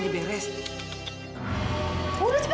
hai bang jam